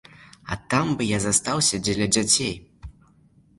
А там бы я застаўся дзеля дзяцей.